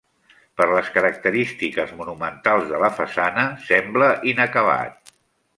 Per les característiques monumentals de la façana sembla inacabat.